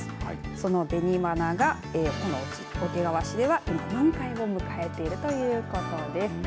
その紅花が桶川市では今満開を迎えているということです。